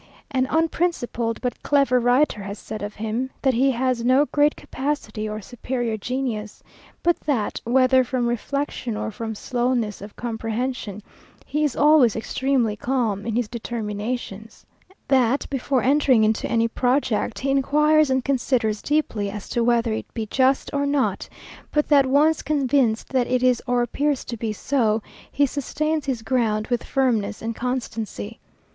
An unprincipled but clever writer has said of him, that he has no great capacity or superior genius; but that, whether from reflection or from slowness of comprehension, he is always extremely calm in his determinations: that, before entering into any project, he inquires and considers deeply as to whether it be just or not; but that once convinced that it is or appears to be so, he sustains his ground with firmness and constancy.